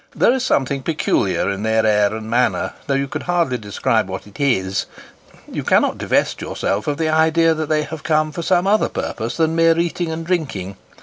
There is something peculiar in their air and manner, though you could hardly describe what it is ; you cannot divest your self of the idea that they have come for some other purpose than mere eating and drinking.